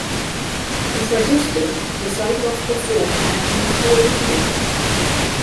He suggested the site of the fort had been poorly selected.